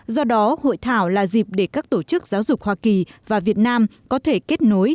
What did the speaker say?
do đó hội thảo là dịp để các tổ chức giáo dục hoa kỳ và việt nam có thể kết nối